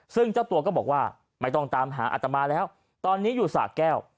ซึ่งเจ้าตัวก็บอกว่าไม่ต้องตามหาอัตมาแล้วตอนนี้อยู่สะแก้ว